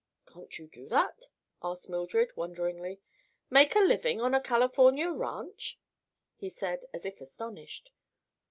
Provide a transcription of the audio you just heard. "Can't you do that?" asked Mildred wonderingly. "Make a living on a California ranch!" he said, as if astonished.